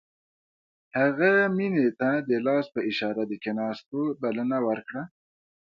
هغه مينې ته د لاس په اشاره د کښېناستو بلنه ورکړه.